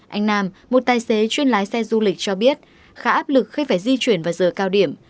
anh nam một tài xế chuyên lái xe du lịch cho biết khá áp lực khi phải di chuyển vào giờ cao điểm